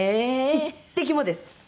一滴もです。